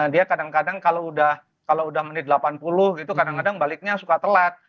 dia kadang kadang kalau udah menit delapan puluh gitu kadang kadang baliknya suka telat